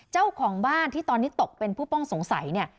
เจ้าของบ้านที่ตอนนี้ตกเป็นผู้ป้องสงสัยเนี่ย